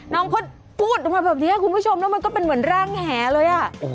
น้องพ้นพูดมาแบบนี้คุณผู้ชมมันก็เป็นเหมือนร่างหาเลย